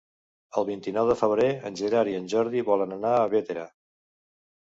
El vint-i-nou de febrer en Gerard i en Jordi volen anar a Bétera.